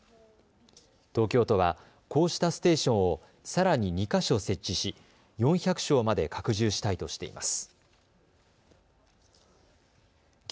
東京都はこうしたステーションをさらに２か所設置し４００床まで拡充したいとしています。